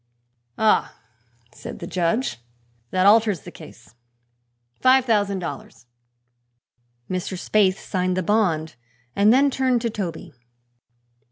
"Ah," said the judge, "that alters the case. Five thousand dollars." Mr. Spaythe signed the bond and then turned to Toby.